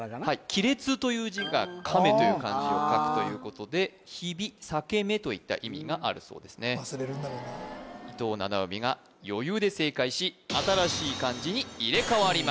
亀裂という字が亀という漢字を書くということでひびさけめといった意味があるそうですね忘れるんだろうな伊藤七海が余裕で正解し新しい漢字に入れ替わります